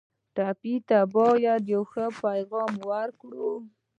ټپي ته باید یو ښه پیغام ورکړو.